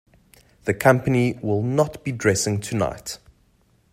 The company will not be dressing tonight.